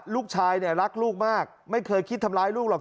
ลูกชายเนี่ยรักลูกมากไม่เคยคิดทำร้ายลูกหรอก